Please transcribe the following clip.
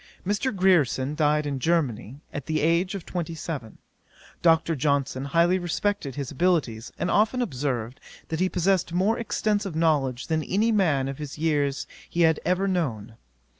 Mr. Grierson died in Germany, at the age of twenty seven. Dr. Johnson highly respected his abilities, and often observed, that he possessed more extensive knowledge than any man of his years he had ever known.